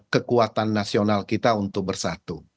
kekuatan nasional kita untuk bersatu